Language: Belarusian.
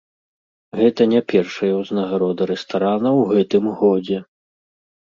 Гэта не першая ўзнагарода рэстарана ў гэтым годзе.